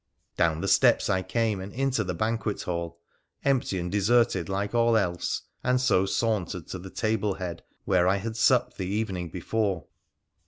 Down the steps I came, and into the banquet hall, empty and deserted like all else, and so sauntered to the table head where I had supped the evening before.